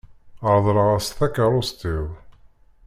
Reḍleɣ-as takeṛṛust-iw.